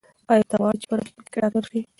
ایا ته غواړې چې په راتلونکي کې ډاکټر شې؟